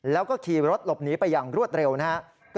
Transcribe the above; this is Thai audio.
แล้วก็ขี่รถหลบหนีไปอย่างรวดเร็วนะครับ